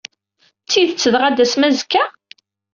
D tidet dɣa, ad d-tasem azekka?